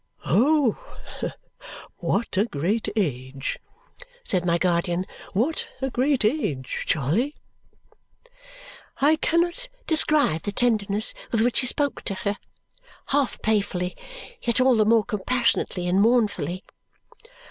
"Oh! What a great age," said my guardian. "What a great age, Charley!" I cannot describe the tenderness with which he spoke to her, half playfully yet all the more compassionately and mournfully.